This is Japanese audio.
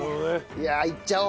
いやいっちゃおう。